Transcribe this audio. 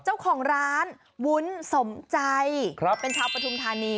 เจ้าของร้านวุ้นสมใจเป็นชาวปฐุมธานี